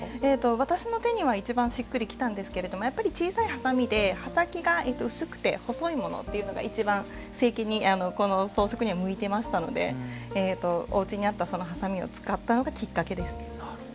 私の手には一番しっくりきたんですが小さなはさみで刃が薄くて細いものが一番、装飾には向いていましたのでおうちにあった、そのはさみを使ったのがきっかけです。